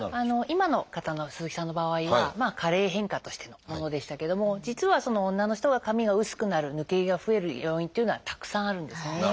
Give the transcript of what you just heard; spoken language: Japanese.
今の方の鈴木さんの場合は加齢変化としてのものでしたけども実は女の人が髪が薄くなる抜け毛が増える要因っていうのはたくさんあるんですね。